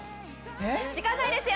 時間ないですよ！